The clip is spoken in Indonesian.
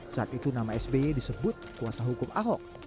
saat itu nama sby disebut kuasa hukum ahok